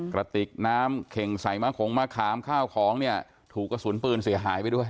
กระติกน้ำเข่งใส่มะขงมะขามข้าวของเนี่ยถูกกระสุนปืนเสียหายไปด้วย